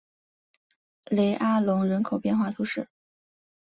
雷阿隆人口变化图示